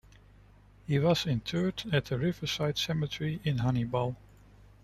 He was interred at the Riverside Cemetery in Hannibal.